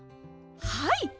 はい。